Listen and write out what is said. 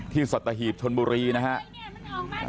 ที่สัตหีบชนบุรีนะฮะ